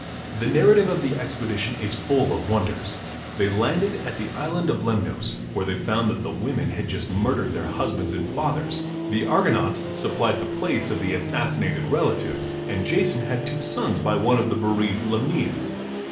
The narrative of the expedition is full of wonders. They landed at the Island of Lemnos, where they found that the women had just murdered their husbands and fathers. The Argonauts supplied the place of the assassinated relatives, and Jason had two sons by one of the bereaved Lemnians.